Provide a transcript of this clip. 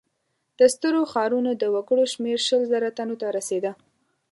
د سترو ښارونو د وګړو شمېر شل زره تنو ته رسېده.